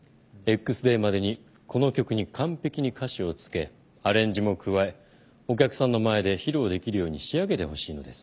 Ｘデーまでにこの曲に完璧に歌詞をつけアレンジも加えお客さんの前で披露できるように仕上げてほしいのです。